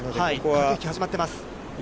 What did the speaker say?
駆け引き始まっています。